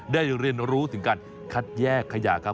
ได้เรียนรู้ถึงการคัดแยกขยะครับ